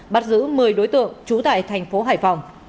bắt giữ một mươi đối tượng trú tại thành phố hải phòng